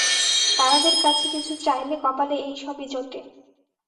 তারাদের কাছে কিছু চাইলে কপালে এইসবই জোটে।